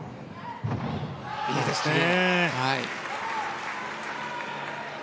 いいですね。